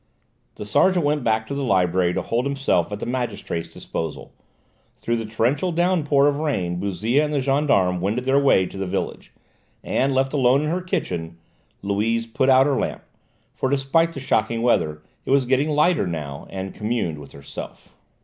The sergeant went back to the library to hold himself at the magistrate's disposal; through the torrential downpour of rain Bouzille and the gendarme wended their way to the village; and left alone in her kitchen, Louise put out her lamp, for despite the shocking weather it was getting lighter now, and communed with herself.